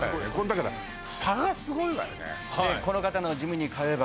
だから差がすごいわよねああ